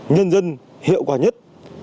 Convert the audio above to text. nhân dân hiệu quả nhất